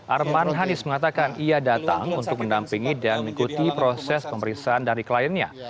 arman hanis mengatakan ia datang untuk mendampingi dan mengikuti proses pemeriksaan dari kliennya